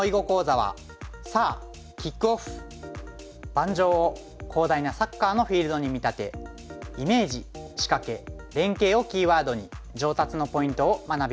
盤上を広大なサッカーのフィールドに見立て「イメージ」「仕掛け」「連携」をキーワードに上達のポイントを学びます。